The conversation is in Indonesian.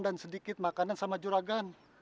dan sedikit makanan sama juragan